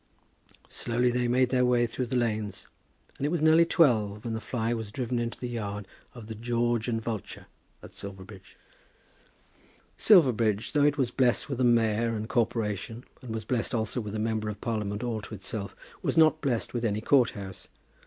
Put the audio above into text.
Slowly they made their way through the lanes, and it was nearly twelve when the fly was driven into the yard of the "George and Vulture" at Silverbridge. Silverbridge, though it was blessed with a mayor and corporation, and was blessed also with a Member of Parliament all to itself, was not blessed with any court house.